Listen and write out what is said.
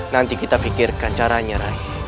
nanti kita pikirkan caranya